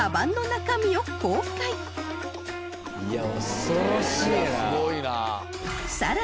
すごいな。